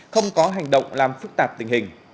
không có hành động làm phức tạp tình hình